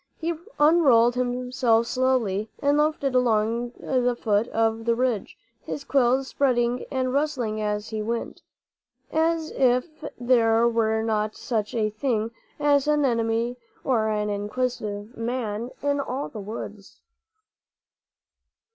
He unrolled himself slowly and loafed along the foot of the ridge, his quills spreading and rustling as he went, as if there were not such a thing as an enemy or an inquisitive man in all the woods.